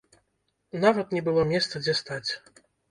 Нават не было месца дзе стаць.